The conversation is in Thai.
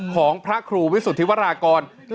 ของพระครูวิสุทธิวรากร